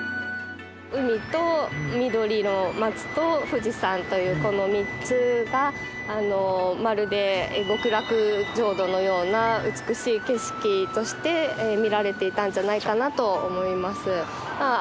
海と緑の松と富士山というこの３つがまるで極楽浄土のような美しい景色として見られていたんじゃないかなと思います。